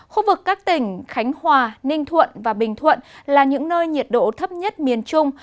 khu vực các tỉnh khánh hòa ninh thuận và bình thuận là những nơi nhiệt độ thấp nhất miền trung